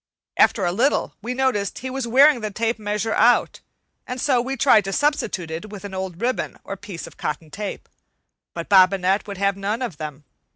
After a little we noticed he was wearing the tape measure out, and so we tried to substitute it with an old ribbon or piece of cotton tape. But Bobinette would have none of them.